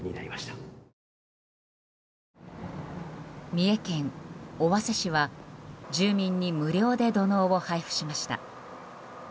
三重県尾鷲市は住民に無料で土のうを配布しました。